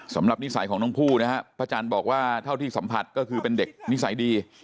นิสัยของน้องผู้นะฮะพระจันทร์บอกว่าเท่าที่สัมผัสก็คือเป็นเด็กนิสัยดี